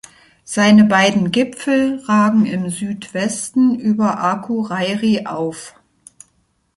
Seine beiden Gipfel ragen im Südwesten über Akureyri auf.